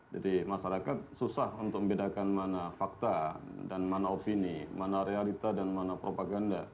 jadi masyarakat susah untuk membedakan mana fakta dan mana opini mana realita dan mana propaganda